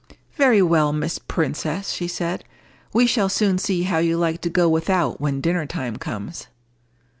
"Very well, Miss Princess!" she said; "we shall soon see how you like to go without when dinner time comes."